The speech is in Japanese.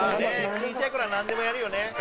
ちっちゃい頃はなんでもやるよね」